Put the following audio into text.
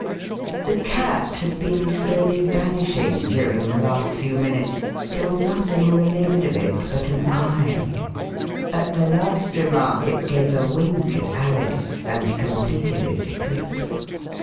8 Alice in Downing Street The Cat had been slowly vanishing during the last few minutes, till nothing remained of it but an eye. At the last remark it gave a wink at Alice and completed its eclipse.